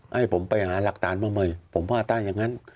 ให้ผมไปหาหลักฐานมาใหม่ผมว่าถ้าอย่างนั้น